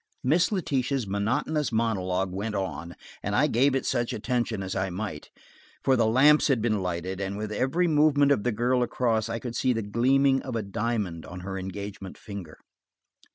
Miss Letitia's monotonous monologue went on, and I gave it such attention as I might. For the lamps had been lighted, and with every movement of the girl across, I could see the gleaming of a diamond on her engagement finger.